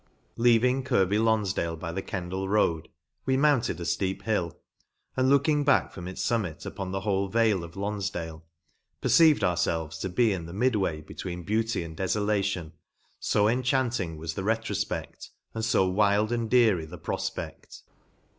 Leaving Kirby Lonfdale by the Kendal road, we mounted a fteep hill, and, looking back from its fummit upon the whole vale of Lonfdale, perceived ourfelves to be in the mid way between beauty and defolation, fo enchanting was the retrofpect and fo wild and dreary the profpecT